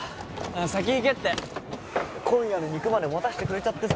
先行けって今夜の肉まで持たしてくれちゃってさ